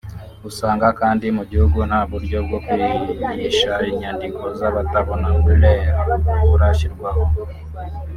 ugasanga kandi mu gihugu nta buryo bwo kwigisha inyandiko z’abatabona ( braille ) burashyirwaho”